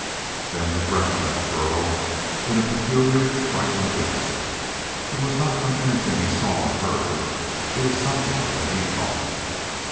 Then the breath left Burl in a peculiar, frightened gasp. It was not from anything he saw or heard. It was something that he thought.